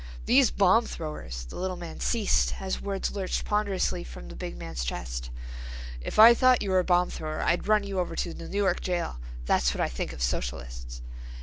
"These bomb throwers—" The little man ceased as words lurched ponderously from the big man's chest. "If I thought you were a bomb thrower I'd run you over to the Newark jail. That's what I think of Socialists."